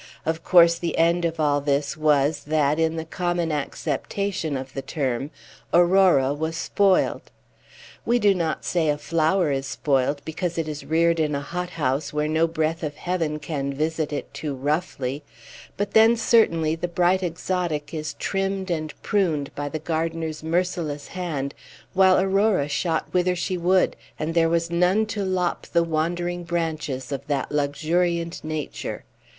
Of course the end of all this was, that, in the common acceptation of the term, Aurora was spoiled. We do not say a flower is spoiled because it is reared in a hot house where no breath of heaven can visit it too roughly; but then, certainly, the bright exotic is trimmed and pruned by the gardener's merciless hand, while Aurora shot whither she would, and there was none to lop the wandering branches of that luxuriant nature.